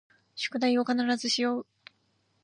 宿題を必ずしよう